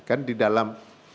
kan di dalam